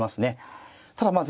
ただまあ